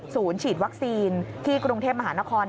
ฉีดวัคซีนที่กรุงเทพมหานคร